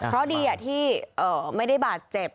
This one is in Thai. เพราะดีที่ไม่ได้บาดเจ็บ